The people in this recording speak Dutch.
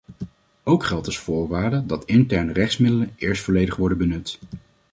Ook geldt als voorwaarde dat interne rechtsmiddelen eerst volledig worden benut.